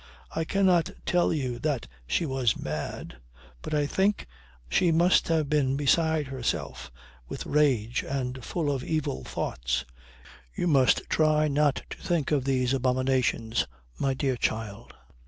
I cannot tell you that she was mad but I think she must have been beside herself with rage and full of evil thoughts. You must try not to think of these abominations, my dear child."